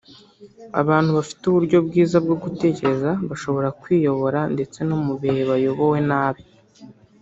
“Abantu bafite uburyo bwiza bwo gutekereza bashobora kwiyobora ndetse no mu bihe bayobowe nabi”